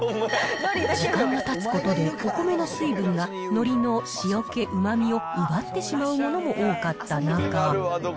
時間がたつことで、お米の水分がのりの塩気、うまみを奪ってしまうものも多かった中。